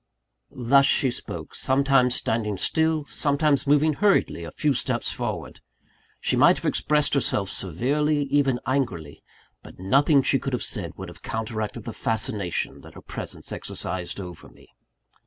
Thus she spoke; sometimes standing still, sometimes moving hurriedly a few steps forward. She might have expressed herself severely, even angrily; but nothing she could have said would have counteracted the fascination that her presence exercised over me.